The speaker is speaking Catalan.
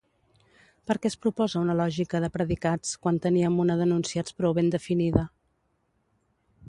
Per què es proposa una lògica de predicats, quan teníem una d'enunciats prou ben definida?